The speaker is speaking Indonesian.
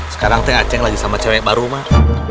sekarang si aceh lagi sama cewek baru mak